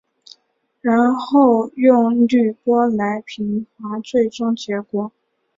然后用滤波来平滑最终结果。